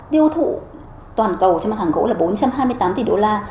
tiêu thụ toàn cầu cho mặt hàng gỗ là bốn trăm hai mươi tám tỷ đô la